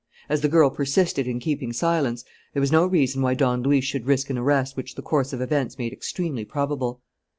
As the girl persisted in keeping silence, there was no reason why Don Luis should risk an arrest which the course of events made extremely probable.